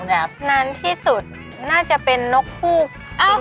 แบบนานที่สุดน่าจะเป็นนกฮูก